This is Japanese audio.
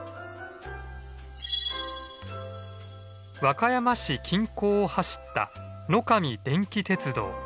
和歌山市近郊を走った野上電気鉄道。